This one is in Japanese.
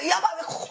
ここ！